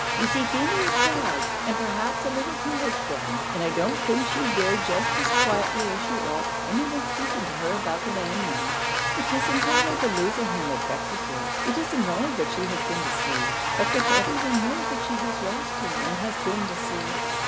You see Feemy is proud, and perhaps a little too headstrong, and I don't think she'd bear just as quietly as she ought, any one speaking to her about the man now. It isn't only the losing him that vexes her; it isn't only that she has been deceived: but that everyone knows that she has lost him, and has been deceived.